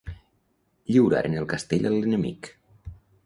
Lliuraren el castell a l'enemic.